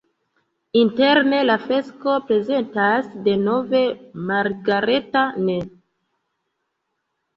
Interne la fresko prezentas denove Margareta-n.